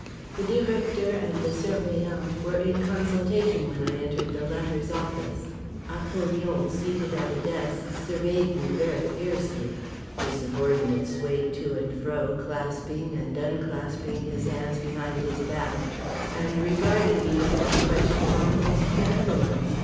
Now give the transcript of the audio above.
The Directeur and the Surveillant were in consultation when I entered the latter's office. Apollyon, seated at a desk, surveyed me very fiercely. His subordinate swayed to and fro, clasping and unclasping his hands behind his back, and regarded me with an expression of almost benevolence.